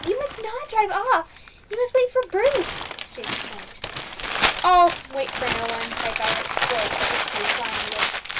you must not drive off; you must wait for Bruce!" she exclaimed. "I'll wait for no one!" cried Vibert, still briskly plying the whip.